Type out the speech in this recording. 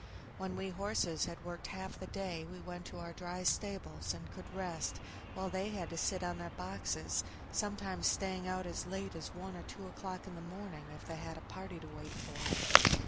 When we horses had worked half the day we went to our dry stables, and could rest, while they had to sit on their boxes, sometimes staying out as late as one or two o'clock in the morning if they had a party to wait for.